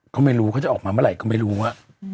เขาไม่รู้เขาจะออกมาเมื่อไหร่ก็ไม่รู้